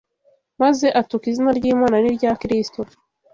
maze atuka izina ry’Imana n’irya Kristo